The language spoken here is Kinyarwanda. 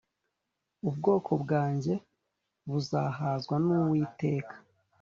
ubwoko bwanjye buzahazwa n’Iwiteka